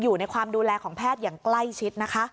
อยู่ในความดูแลของแพทย์อย่างใกล้ชิดนะคะ